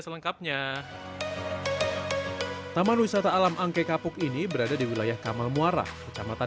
selengkapnya taman wisata alam angke kapuk ini berada di wilayah kamal muara kecamatan